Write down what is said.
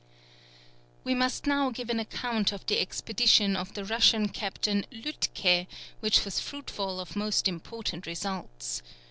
] We must now give an account of the expedition of the Russian Captain Lütke, which was fruitful of most important results.